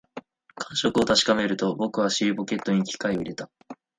感触を確かめると、僕は尻ポケットに機械を入れた